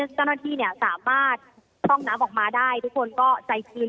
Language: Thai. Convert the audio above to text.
ท่านท่านที่เนี้ยสามารถต้องน้ำออกมาได้ทุกคนก็ใจคืน